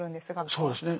そうですね。